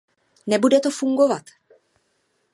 Nebude to fungovat.